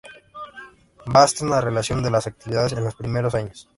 Baste una relación de las actividades en los primeros años.